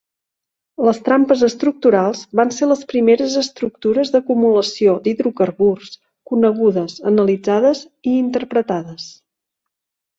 Les trampes estructurals van ser les primeres estructures d'acumulació d'hidrocarburs conegudes, analitzades i interpretades.